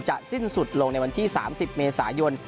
สิ้นสุดลงในวันที่๓๐เมษายน